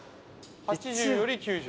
８０より９０？